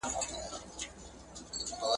امکان شته چې یاد ژر ښه شي.